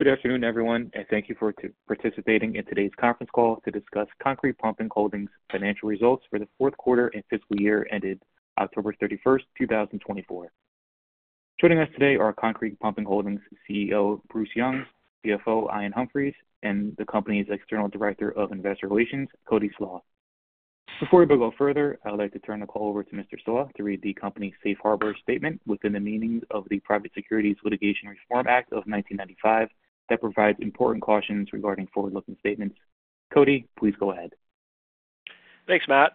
Good afternoon, everyone, and thank you for participating in today's conference call to discuss Concrete Pumping Holdings' financial results for the fourth quarter and fiscal year ended October 31st, 2024. Joining us today are Concrete Pumping Holdings' CEO, Bruce Young, CFO, Iain Humphries, and the company's external director of investor relations, Cody Slach. Before we go further, I'd like to turn the call over to Mr. Slach to read the company's safe harbor statement within the meanings of the Private Securities Litigation Reform Act of 1995 that provides important cautions regarding forward-looking statements. Cody, please go ahead. Thanks, Matt.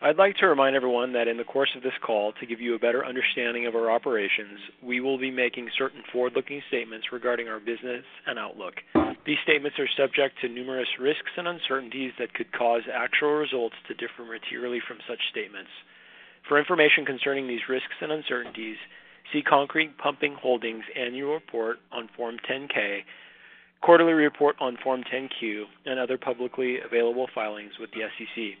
I'd like to remind everyone that in the course of this call, to give you a better understanding of our operations, we will be making certain forward-looking statements regarding our business and outlook. These statements are subject to numerous risks and uncertainties that could cause actual results to differ materially from such statements. For information concerning these risks and uncertainties, see Concrete Pumping Holdings' annual report on Form 10-K, quarterly report on Form 10-Q, and other publicly available filings with the SEC.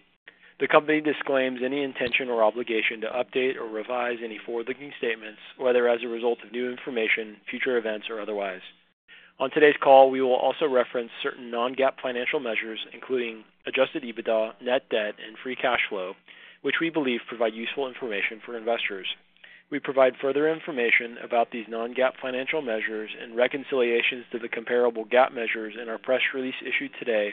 The company disclaims any intention or obligation to update or revise any forward-looking statements, whether as a result of new information, future events, or otherwise. On today's call, we will also reference certain non-GAAP financial measures, including Adjusted EBITDA, Net Debt, and Free Cash Flow, which we believe provide useful information for investors. We provide further information about these non-GAAP financial measures and reconciliations to the comparable GAAP measures in our press release issued today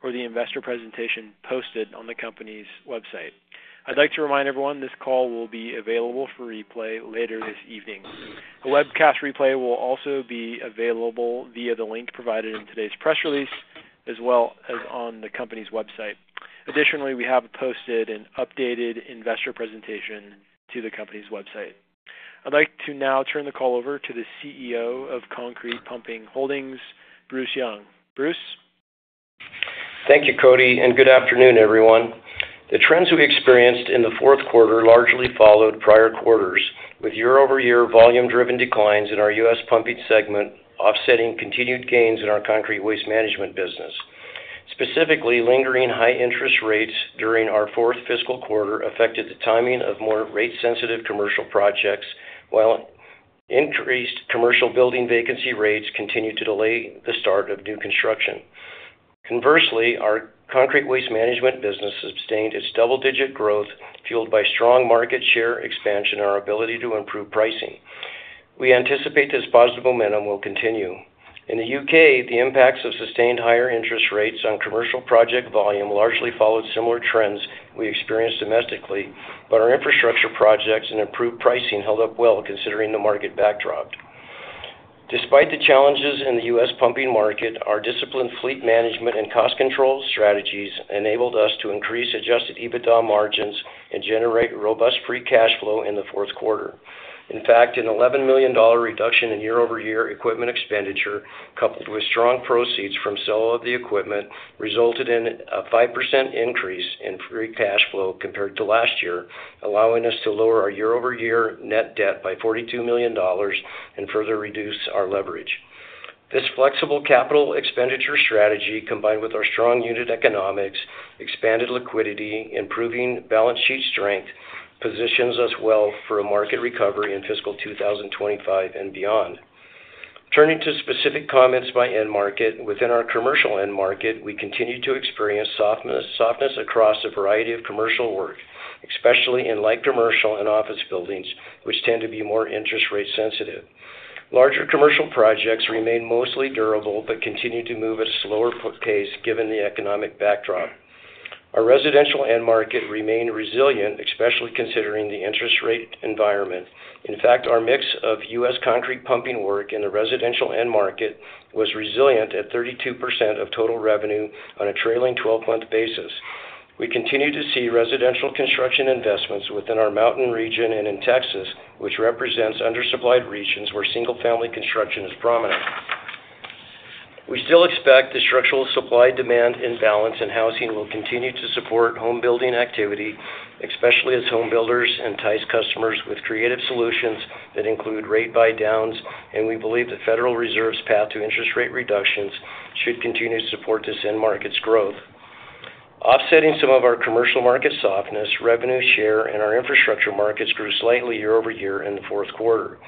or the investor presentation posted on the company's website. I'd like to remind everyone this call will be available for replay later this evening. The webcast replay will also be available via the link provided in today's press release as well as on the company's website. Additionally, we have posted an updated investor presentation to the company's website. I'd like to now turn the call over to the CEO of Concrete Pumping Holdings, Bruce Young. Bruce? Thank you, Cody, and good afternoon, everyone. The trends we experienced in the fourth quarter largely followed prior quarters, with year-over-year volume-driven declines in our U.S. pumping segment offsetting continued gains in our concrete waste management business. Specifically, lingering high interest rates during our fourth fiscal quarter affected the timing of more rate-sensitive commercial projects, while increased commercial building vacancy rates continued to delay the start of new construction. Conversely, our concrete waste management business sustained its double-digit growth, fueled by strong market share expansion and our ability to improve pricing. We anticipate this positive momentum will continue. In the U.K., the impacts of sustained higher interest rates on commercial project volume largely followed similar trends we experienced domestically, but our infrastructure projects and improved pricing held up well considering the market backdrop. Despite the challenges in the U.S. pumping market, our disciplined fleet management and cost control strategies enabled us to increase Adjusted EBITDA margins and generate robust Free Cash Flow in the fourth quarter. In fact, an $11 million reduction in year-over-year equipment expenditure, coupled with strong proceeds from sale of the equipment, resulted in a 5% increase in Free Cash Flow compared to last year, allowing us to lower our year-over-year Net Debt by $42 million and further reduce our leverage. This flexible capital expenditure strategy, combined with our strong unit economics, expanded liquidity, and improving balance sheet strength, positions us well for a market recovery in fiscal 2025 and beyond. Turning to specific comments by end market, within our commercial end market, we continue to experience softness across a variety of commercial work, especially in light commercial and office buildings, which tend to be more interest rate sensitive. Larger commercial projects remain mostly durable but continue to move at a slower pace given the economic backdrop. Our residential end market remained resilient, especially considering the interest rate environment. In fact, our mix of U.S. concrete pumping work in the residential end market was resilient at 32% of total revenue on a trailing 12-month basis. We continue to see residential construction investments within our Mountain Region and in Texas, which represents undersupplied regions where single-family construction is prominent. We still expect the structural supply-demand imbalance in housing will continue to support home building activity, especially as home builders entice customers with creative solutions that include rate buy-downs, and we believe the Federal Reserve's path to interest rate reductions should continue to support this end market's growth. Offsetting some of our commercial market softness, revenue share in our infrastructure markets grew slightly year-over-year in the fourth quarter.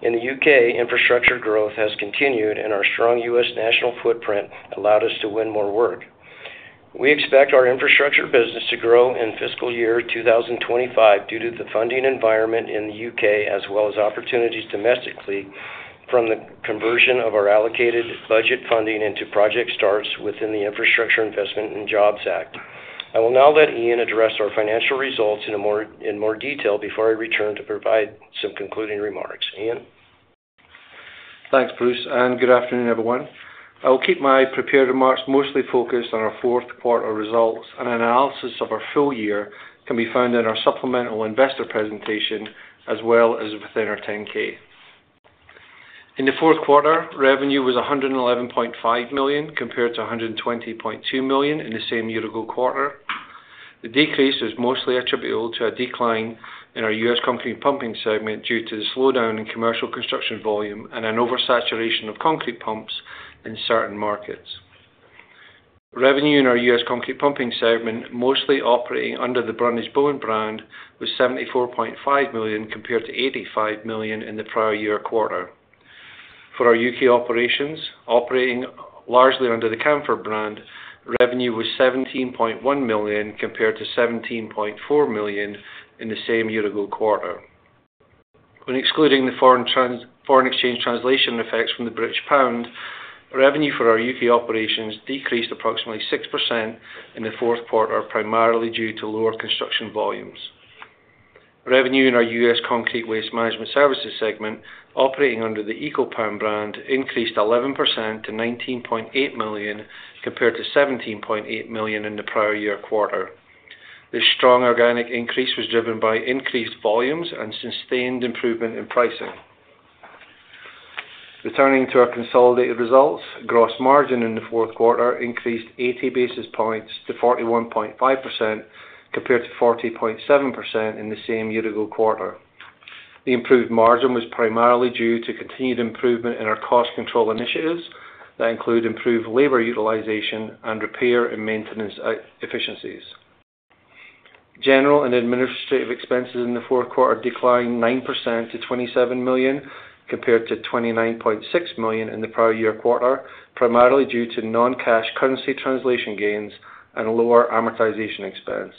In the U.K., infrastructure growth has continued, and our strong U.S. national footprint allowed us to win more work. We expect our infrastructure business to grow in fiscal year 2025 due to the funding environment in the U.K., as well as opportunities domestically from the conversion of our allocated budget funding into project starts within the Infrastructure Investment and Jobs Act. I will now let Iain address our financial results in more detail before I return to provide some concluding remarks. Iain? Thanks, Bruce, and good afternoon, everyone. I'll keep my prepared remarks mostly focused on our fourth quarter results, and an analysis of our full year can be found in our supplemental investor presentation as well as within our Form 10-K. In the fourth quarter, revenue was $111.5 million compared to $120.2 million in the same year-ago quarter. The decrease is mostly attributable to a decline in our U.S. concrete pumping segment due to the slowdown in commercial construction volume and an oversaturation of concrete pumps in certain markets. Revenue in our U.S. concrete pumping segment, mostly operating under the Brundage-Bone brand, was $74.5 million compared to $85 million in the prior year quarter. For our U.K. operations, operating largely under the Camfaud brand, revenue was $17.1 million compared to $17.4 million in the same year-ago quarter. When excluding the foreign exchange translation effects from the British pound, revenue for our UK operations decreased approximately 6% in the fourth quarter, primarily due to lower construction volumes. Revenue in our U.S. concrete waste management services segment, operating under the Eco-Pan brand, increased 11% to $19.8 million compared to $17.8 million in the prior year quarter. This strong organic increase was driven by increased volumes and sustained improvement in pricing. Returning to our consolidated results, gross margin in the fourth quarter increased 80 basis points to 41.5% compared to 40.7% in the same year-ago quarter. The improved margin was primarily due to continued improvement in our cost control initiatives that include improved labor utilization and repair and maintenance efficiencies. General and administrative expenses in the fourth quarter declined 9% to $27 million compared to $29.6 million in the prior year quarter, primarily due to non-cash currency translation gains and a lower amortization expense.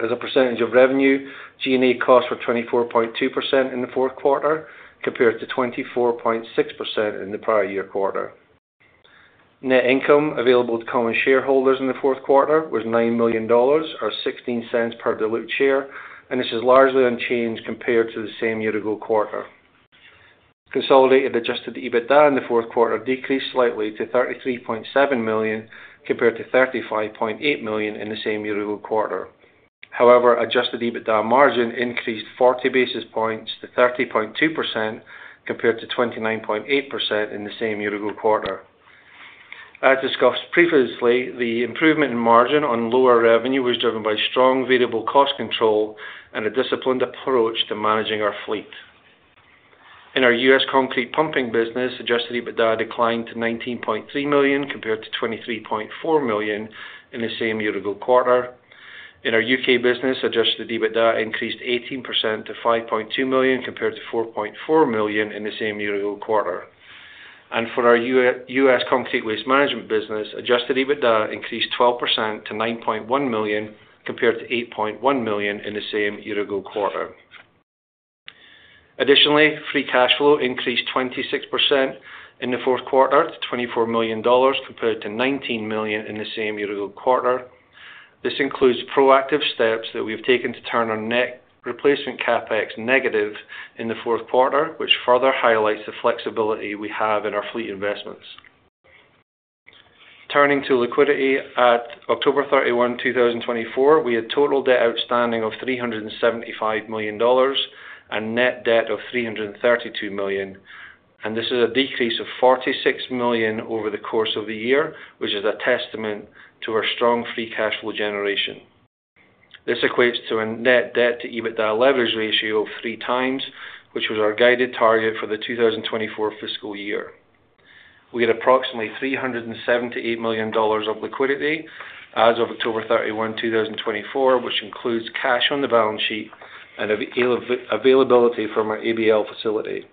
As a percentage of revenue, G&A costs were 24.2% in the fourth quarter compared to 24.6% in the prior year quarter. Net income available to common shareholders in the fourth quarter was $9 million, or $0.16 per diluted share, and this is largely unchanged compared to the same year-ago quarter. Consolidated Adjusted EBITDA in the fourth quarter decreased slightly to $33.7 million compared to $35.8 million in the same year-ago quarter. However, Adjusted EBITDA margin increased 40 basis points to 30.2% compared to 29.8% in the same year-ago quarter. As discussed previously, the improvement in margin on lower revenue was driven by strong variable cost control and a disciplined approach to managing our fleet. In our U.S. concrete pumping business, Adjusted EBITDA declined to $19.3 million compared to $23.4 million in the same year-ago quarter. In our U.K. business, Adjusted EBITDA increased 18% to $5.2 million compared to $4.4 million in the same year-ago quarter. And for our U.S. concrete waste management business, Adjusted EBITDA increased 12% to $9.1 million compared to $8.1 million in the same year-ago quarter. Additionally, Free Cash Flow increased 26% in the fourth quarter to $24 million compared to $19 million in the same year-ago quarter. This includes proactive steps that we have taken to turn our net replacement CapEx negative in the fourth quarter, which further highlights the flexibility we have in our fleet investments. Turning to liquidity, at October 31, 2024, we had total debt outstanding of $375 million and net debt of $332 million. This is a decrease of $46 million over the course of the year, which is a testament to our strong free cash flow generation. This equates to a net debt-to-EBITDA leverage ratio of three times, which was our guided target for the 2024 fiscal year. We had approximately $378 million of liquidity as of October 31, 2024, which includes cash on the balance sheet and availability from our ABL facility.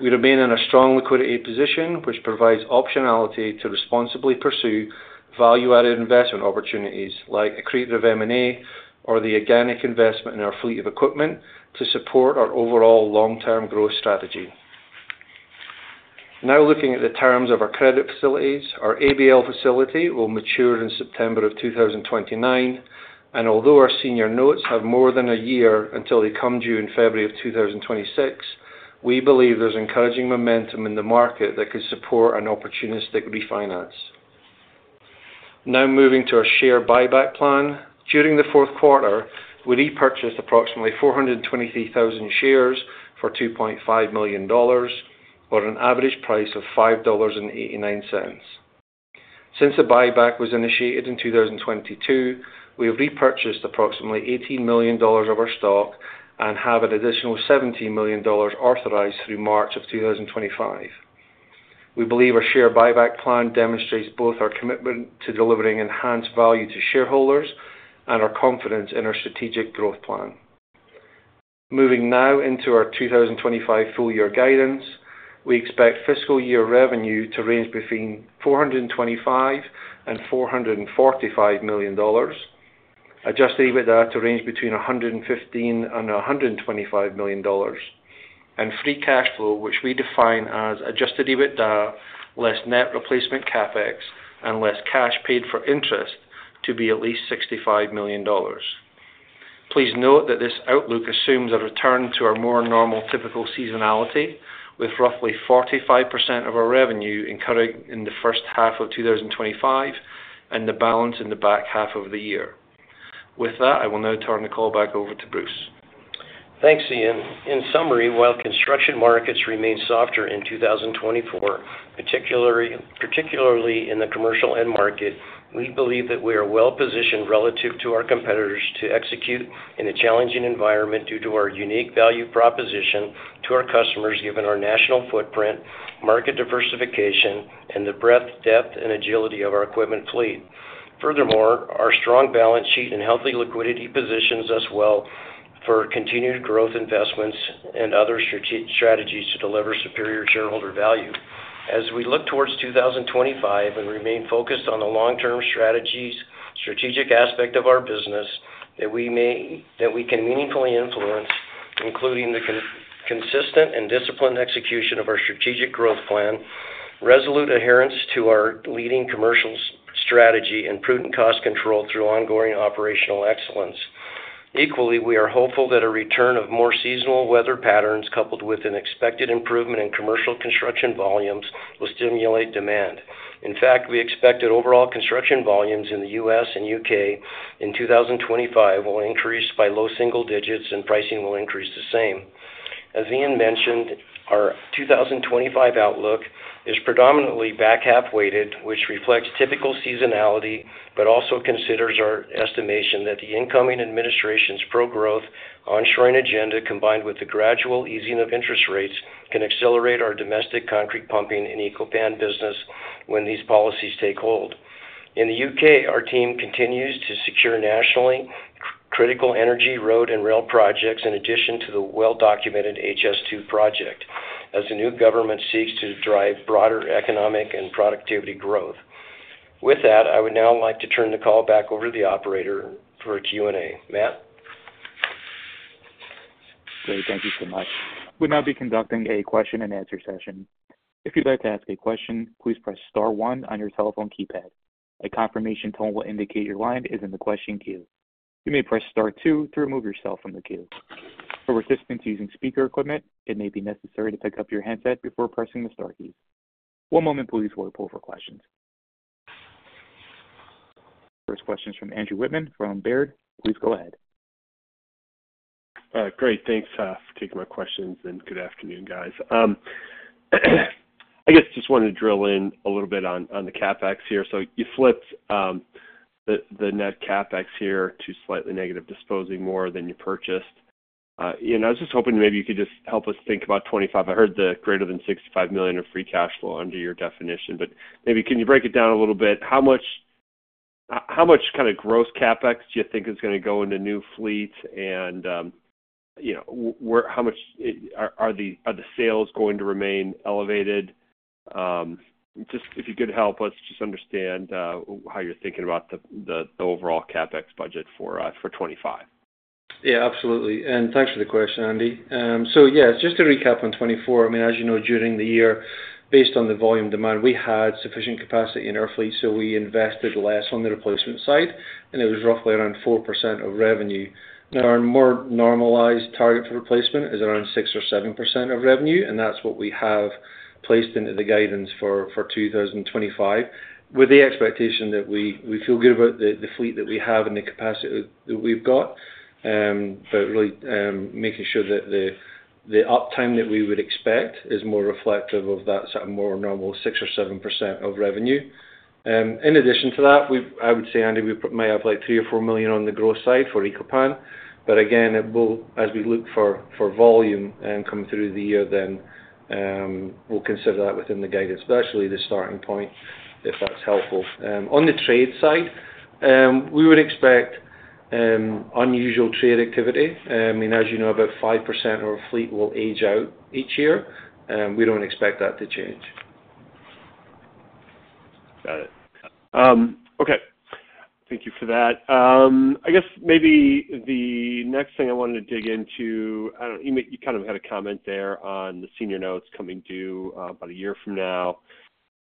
We remain in a strong liquidity position, which provides optionality to responsibly pursue value-added investment opportunities like accretive M&A or the organic investment in our fleet of equipment to support our overall long-term growth strategy. Now looking at the terms of our credit facilities, our ABL facility will mature in September of 2029, and although our senior notes have more than a year until they come due in February of 2026, we believe there's encouraging momentum in the market that could support an opportunistic refinance. Now moving to our share buyback plan, during the fourth quarter, we repurchased approximately 423,000 shares for $2.5 million, or an average price of $5.89. Since the buyback was initiated in 2022, we have repurchased approximately $18 million of our stock and have an additional $17 million authorized through March of 2025. We believe our share buyback plan demonstrates both our commitment to delivering enhanced value to shareholders and our confidence in our strategic growth plan. Moving now into our 2025 full-year guidance, we expect fiscal year revenue to range between $425 and $445 million, Adjusted EBITDA to range between $115 and $125 million, and Free Cash Flow, which we define as Adjusted EBITDA less net replacement CapEx and less cash paid for interest, to be at least $65 million. Please note that this outlook assumes a return to our more normal typical seasonality, with roughly 45% of our revenue incurring in the first half of 2025 and the balance in the back half of the year. With that, I will now turn the call back over to Bruce. Thanks, Iain. In summary, while construction markets remain softer in 2024, particularly in the commercial end market, we believe that we are well positioned relative to our competitors to execute in a challenging environment due to our unique value proposition to our customers given our national footprint, market diversification, and the breadth, depth, and agility of our equipment fleet. Furthermore, our strong balance sheet and healthy liquidity positions us well for continued growth investments and other strategies to deliver superior shareholder value. As we look towards 2025 and remain focused on the long-term strategic aspect of our business that we can meaningfully influence, including the consistent and disciplined execution of our strategic growth plan, resolute adherence to our leading commercial strategy, and prudent cost control through ongoing operational excellence. Equally, we are hopeful that a return of more seasonal weather patterns coupled with an expected improvement in commercial construction volumes will stimulate demand. In fact, we expect that overall construction volumes in the U.S. and U.K. in 2025 will increase by low single digits and pricing will increase the same. As Iain mentioned, our 2025 outlook is predominantly back half-weighted, which reflects typical seasonality but also considers our estimation that the incoming administration's pro-growth onshoring agenda, combined with the gradual easing of interest rates, can accelerate our domestic concrete pumping and Eco-Pan business when these policies take hold. In the U.K., our team continues to secure nationally critical energy, road, and rail projects in addition to the well-documented HS2 project, as the new government seeks to drive broader economic and productivity growth. With that, I would now like to turn the call back over to the operator for Q&A. Matt? Great. Thank you so much. We'll now be conducting a question-and-answer session. If you'd like to ask a question, please press star one on your telephone keypad. A confirmation tone will indicate your line is in the question queue. You may press star two to remove yourself from the queue. For participants using speaker equipment, it may be necessary to pick up your handset before pressing the star keys. One moment, please, while we pull for questions. First question is from Andrew Wittmann from Baird. Please go ahead. Great. Thanks for taking my questions, and good afternoon, guys. I guess I just wanted to drill in a little bit on the CapEx here. So you flipped the net CapEx here to slightly negative, disposing more than you purchased. Iain, I was just hoping maybe you could just help us think about $25. I heard the greater than $65 million of free cash flow under your definition, but maybe can you break it down a little bit? How much kind of gross CapEx do you think is going to go into new fleets, and how much are the sales going to remain elevated? Just if you could help us just understand how you're thinking about the overall CapEx budget for 2025. Yeah, absolutely. And thanks for the question, Andy. So yes, just to recap on 2024, I mean, as you know, during the year, based on the volume demand, we had sufficient capacity in our fleet, so we invested less on the replacement side, and it was roughly around 4% of revenue. Now, our more normalized target for replacement is around 6% or 7% of revenue, and that's what we have placed into the guidance for 2025, with the expectation that we feel good about the fleet that we have and the capacity that we've got, but really making sure that the uptime that we would expect is more reflective of that sort of more normal 6% or 7% of revenue. In addition to that, I would say, Andy, we might have like $3-$4 million on the gross side for Eco-Pan, but again, as we look for volume coming through the year, then we'll consider that within the guidance, but that's really the starting point if that's helpful. On the trade side, we would expect unusual trade activity. I mean, as you know, about 5% of our fleet will age out each year. We don't expect that to change. Got it. Okay. Thank you for that. I guess maybe the next thing I wanted to dig into, you kind of had a comment there on the senior notes coming due about a year from now.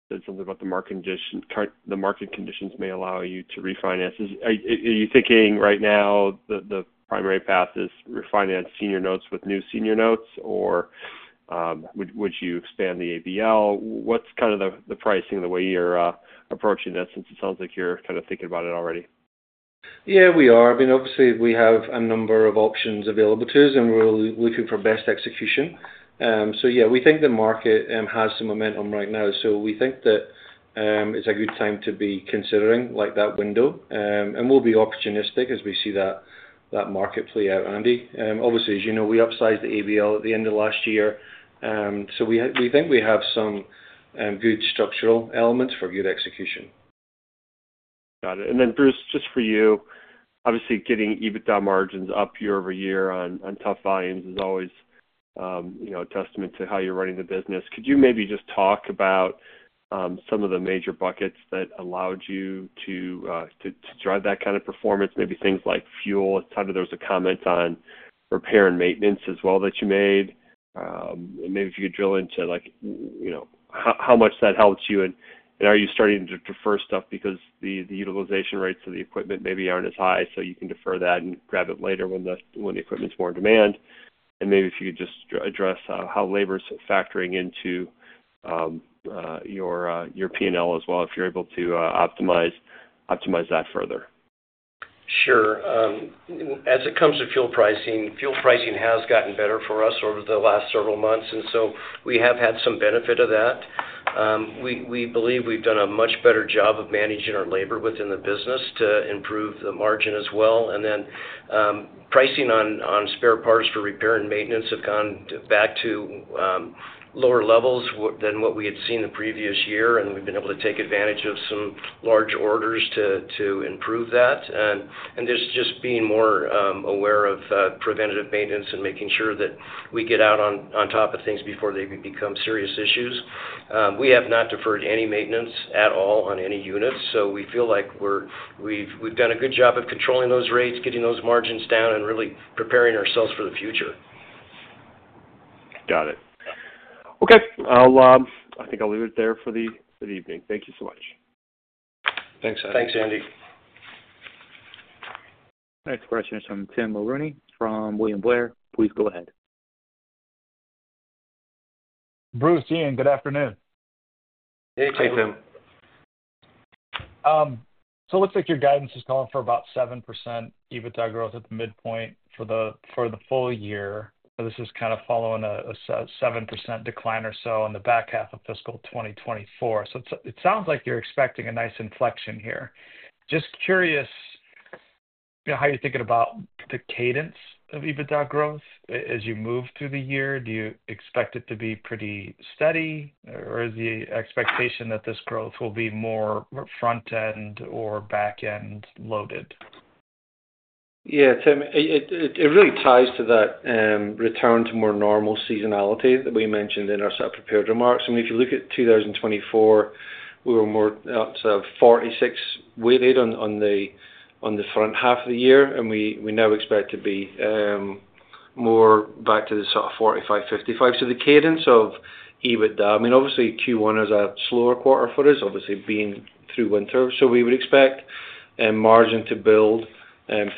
You said something about the market conditions may allow you to refinance. Are you thinking right now the primary path is refinance senior notes with new senior notes, or would you expand the ABL? What's kind of the pricing the way you're approaching this since it sounds like you're kind of thinking about it already? Yeah, we are. I mean, obviously, we have a number of options available to us, and we're looking for best execution. So yeah, we think the market has some momentum right now, so we think that it's a good time to be considering that window. And we'll be opportunistic as we see that market play out, Andy. Obviously, as you know, we upsized the ABL at the end of last year, so we think we have some good structural elements for good execution. Got it, and then Bruce, just for you, obviously, getting EBITDA margins up year-over-year on tough volumes is always a testament to how you're running the business. Could you maybe just talk about some of the major buckets that allowed you to drive that kind of performance? Maybe things like fuel. It's nice that there was a comment on repair and maintenance as well that you made. And maybe if you could drill into how much that helps you, and are you starting to defer stuff because the utilization rates of the equipment maybe aren't as high, so you can defer that and grab it later when the equipment's more in demand? And maybe if you could just address how labor's factoring into your P&L as well, if you're able to optimize that further. Sure. As it comes to fuel pricing, fuel pricing has gotten better for us over the last several months, and so we have had some benefit of that. We believe we've done a much better job of managing our labor within the business to improve the margin as well. And then pricing on spare parts for repair and maintenance have gone back to lower levels than what we had seen the previous year, and we've been able to take advantage of some large orders to improve that. And there's just being more aware of preventative maintenance and making sure that we get out on top of things before they become serious issues. We have not deferred any maintenance at all on any units, so we feel like we've done a good job of controlling those rates, getting those margins down, and really preparing ourselves for the future. Got it. Okay. I think I'll leave it there for the evening. Thank you so much. Thanks, Andy. Thanks, Andy. Next question is from Tim Mulrooney from William Blair. Please go ahead. Bruce, Iain, good afternoon. Hey, Tim. So it looks like your guidance is calling for about 7% EBITDA growth at the midpoint for the full year. This is kind of following a 7% decline or so on the back half of fiscal 2024. So it sounds like you're expecting a nice inflection here. Just curious how you're thinking about the cadence of EBITDA growth as you move through the year. Do you expect it to be pretty steady, or is the expectation that this growth will be more front-end or back-end loaded? Yeah, Tim, it really ties to that return to more normal seasonality that we mentioned in our prepared remarks. I mean, if you look at 2024, we were more sort of 46-weighted on the front half of the year, and we now expect to be more back to the sort of 45-55. So the cadence of EBITDA, I mean, obviously, Q1 is a slower quarter for us, obviously being through winter, so we would expect margin to build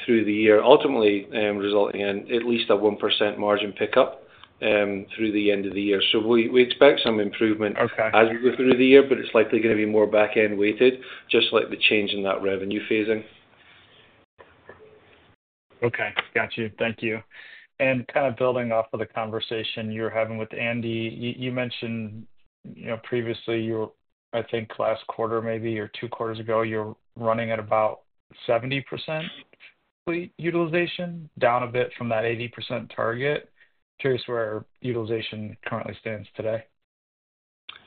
through the year, ultimately resulting in at least a 1% margin pickup through the end of the year. So we expect some improvement as we go through the year, but it's likely going to be more back-end weighted, just like the change in that revenue phasing. Okay. Got you. Thank you. And kind of building off of the conversation you were having with Andy, you mentioned previously, I think last quarter maybe or two quarters ago, you're running at about 70% fleet utilization, down a bit from that 80% target. Curious where utilization currently stands today?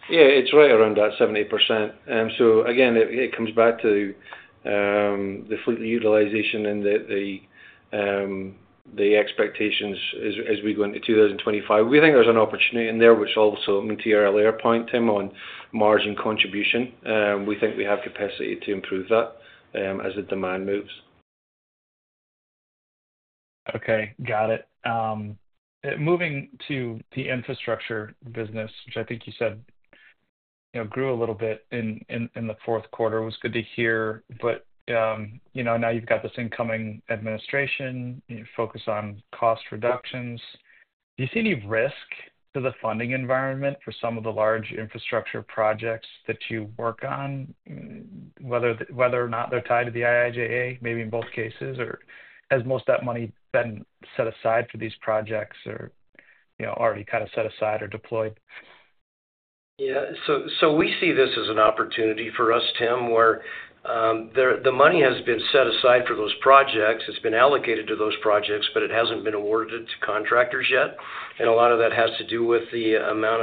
Yeah, it's right around that 70%. So again, it comes back to the fleet utilization and the expectations as we go into 2025. We think there's an opportunity in there, which also means to your earlier point, Tim, on margin contribution. We think we have capacity to improve that as the demand moves. Okay. Got it. Moving to the infrastructure business, which I think you said grew a little bit in the fourth quarter. It was good to hear, but now you've got this incoming administration, you focus on cost reductions. Do you see any risk to the funding environment for some of the large infrastructure projects that you work on, whether or not they're tied to the IIJA, maybe in both cases, or has most of that money been set aside for these projects or already kind of set aside or deployed? Yeah. So we see this as an opportunity for us, Tim, where the money has been set aside for those projects. It's been allocated to those projects, but it hasn't been awarded to contractors yet. And a lot of that has to do with the amount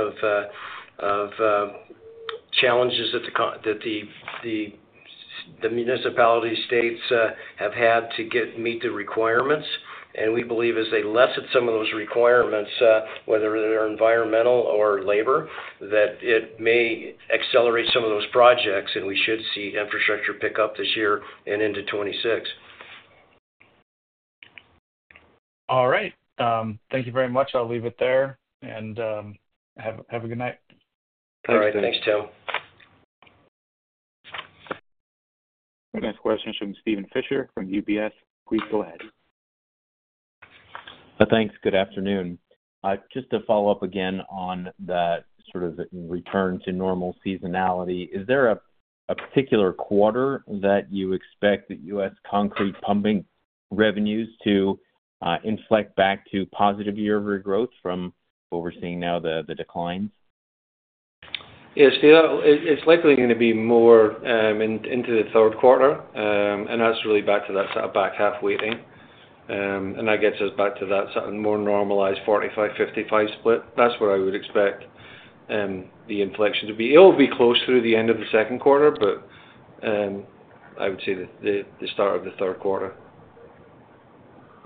of challenges that the municipalities, states have had to meet the requirements. And we believe as they lessen some of those requirements, whether they're environmental or labor, that it may accelerate some of those projects, and we should see infrastructure pick up this year and into 2026. All right. Thank you very much. I'll leave it there, and have a good night. All right. Thanks, Tim. Next question is from Steven Fisher from UBS. Please go ahead. Thanks. Good afternoon. Just to follow up again on that sort of return to normal seasonality, is there a particular quarter that you expect the U.S. concrete pumping revenues to inflect back to positive year-over-year growth from what we're seeing now, the declines? Yeah. It's likely going to be more into the third quarter, and that's really back to that sort of back half-weighting. And that gets us back to that sort of more normalized 45-55 split. That's where I would expect the inflection to be. It'll be close through the end of the second quarter, but I would say the start of the third quarter.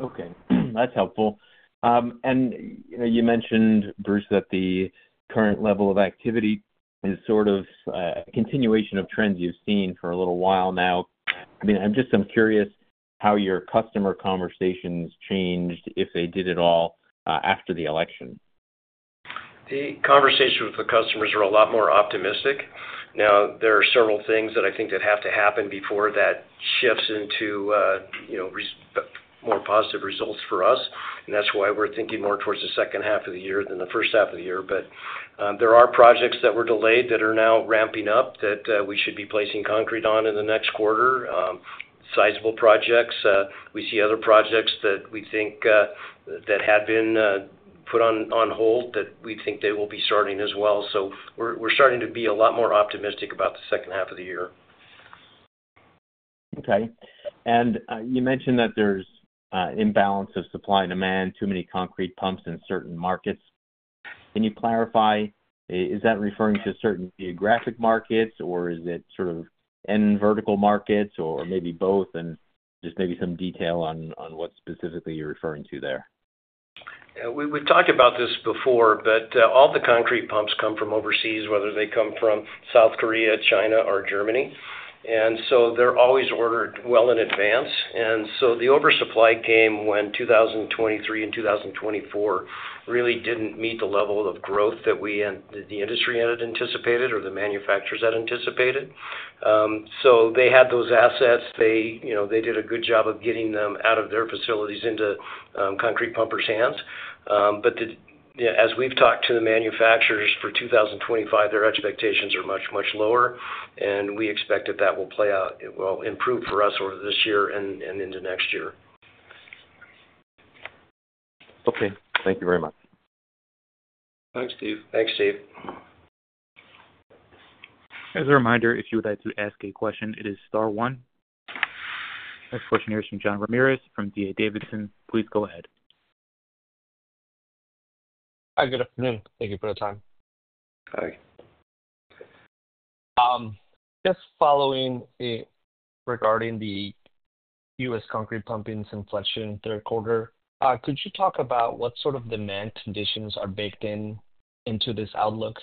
Okay. That's helpful. And you mentioned, Bruce, that the current level of activity is sort of a continuation of trends you've seen for a little while now. I mean, I'm just curious how your customer conversations changed, if they did at all, after the election? The conversations with the customers are a lot more optimistic. Now, there are several things that I think that have to happen before that shifts into more positive results for us, and that's why we're thinking more towards the second half of the year than the first half of the year. But there are projects that were delayed that are now ramping up that we should be placing concrete on in the next quarter, sizable projects. We see other projects that we think that had been put on hold that we think they will be starting as well. So we're starting to be a lot more optimistic about the second half of the year. Okay. And you mentioned that there's an imbalance of supply and demand, too many concrete pumps in certain markets. Can you clarify? Is that referring to certain geographic markets, or is it sort of end vertical markets, or maybe both? And just maybe some detail on what specifically you're referring to there. We've talked about this before, but all the concrete pumps come from overseas, whether they come from South Korea, China, or Germany, and so they're always ordered well in advance, and so the oversupply came when 2023 and 2024 really didn't meet the level of growth that the industry had anticipated or the manufacturers had anticipated, so they had those assets. They did a good job of getting them out of their facilities into concrete pumpers' hands, but as we've talked to the manufacturers for 2025, their expectations are much, much lower, and we expect that that will play out. It will improve for us over this year and into next year. Okay. Thank you very much. Thanks, Steve. Thanks, Steve. As a reminder, if you would like to ask a question, it is Star One. Next question here is from Jean Ramirez from D.A. Davidson. Please go ahead. Hi. Good afternoon. Thank you for the time. Hi. Just following regarding the U.S. Concrete Pumping's inflection third quarter, could you talk about what sort of demand conditions are baked into this outlook?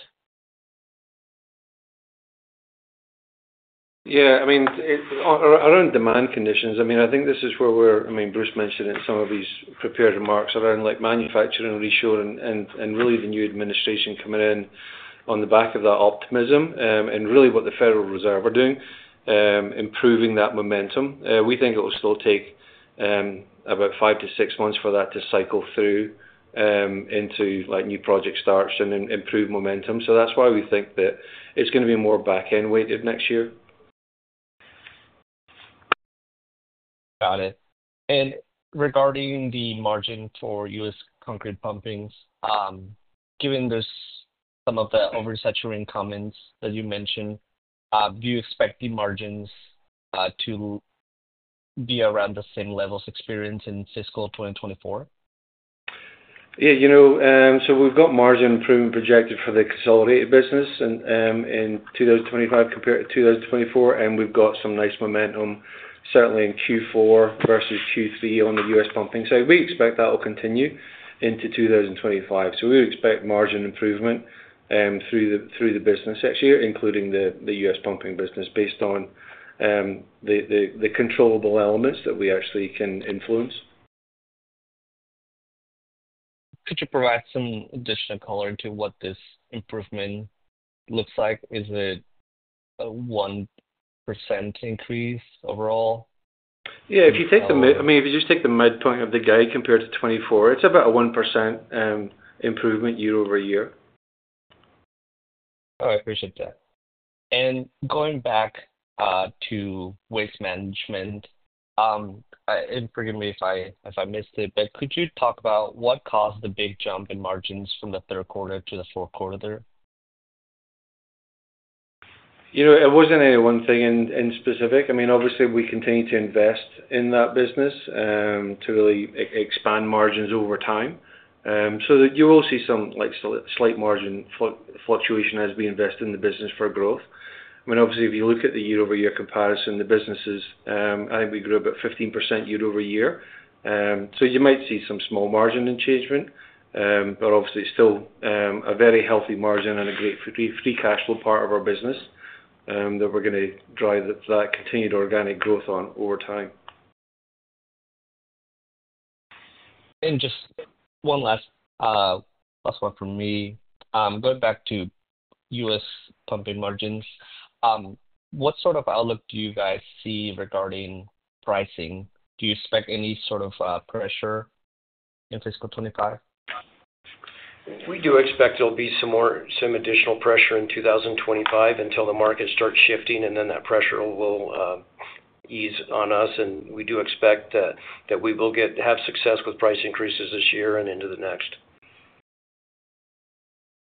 Yeah. I mean, around demand conditions, I mean, I think this is where we're—I mean, Bruce mentioned it in some of these prepared remarks around manufacturing reshoring and really the new administration coming in on the back of that optimism and really what the Federal Reserve are doing, improving that momentum. We think it will still take about five to six months for that to cycle through into new project starts and improve momentum. So that's why we think that it's going to be more back-end weighted next year. Got it. And regarding the margin for U.S. concrete pumping, given some of the over-saturation comments that you mentioned, do you expect the margins to be around the same levels experienced in fiscal 2024? Yeah. So we've got margin improvement projected for the consolidated business in 2025 compared to 2024, and we've got some nice momentum certainly in Q4 versus Q3 on the U.S. pumping side. We expect that will continue into 2025. So we would expect margin improvement through the business next year, including the U.S. pumping business, based on the controllable elements that we actually can influence. Could you provide some additional color into what this improvement looks like? Is it a 1% increase overall? Yeah. If you take the, I mean, if you just take the midpoint of the guide compared to 2024, it's about a 1% improvement year-over-year. All right. Appreciate that. And going back to waste management, and forgive me if I missed it, but could you talk about what caused the big jump in margins from the third quarter to the fourth quarter there? It wasn't any one thing in specific. I mean, obviously, we continue to invest in that business to really expand margins over time. So you will see some slight margin fluctuation as we invest in the business for growth. I mean, obviously, if you look at the year-over-year comparison, the businesses, I think we grew about 15% year-over-year. So you might see some small margin change, but obviously, it's still a very healthy margin and a great Free Cash Flow part of our business that we're going to drive that continued organic growth on over time. Just one last one from me. Going back to U.S. pumping margins, what sort of outlook do you guys see regarding pricing? Do you expect any sort of pressure in fiscal 2025? We do expect there'll be some additional pressure in 2025 until the markets start shifting, and then that pressure will ease on us, and we do expect that we will have success with price increases this year and into the next.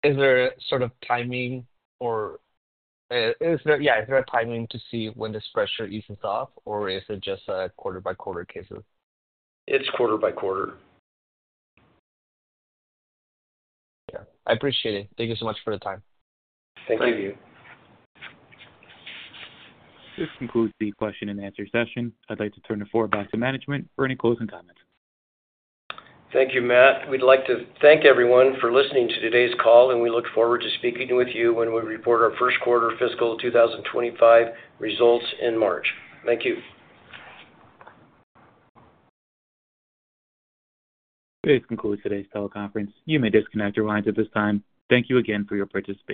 Is there sort of timing or, yeah, is there a timing to see when this pressure eases off, or is it just a quarter-by-quarter basis? It's quarter-by-quarter. Yeah. I appreciate it. Thank you so much for the time. Thank you. Thank you. This concludes the question-and-answer session. I'd like to turn the floor back to management for any closing comments. Thank you, Matt. We'd like to thank everyone for listening to today's call, and we look forward to speaking with you when we report our first quarter fiscal 2025 results in March. Thank you. This concludes today's teleconference. You may disconnect your lines at this time. Thank you again for your participation.